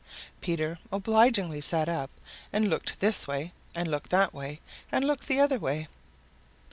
Peter obligingly sat up and looked this way and looked that way and looked the other way.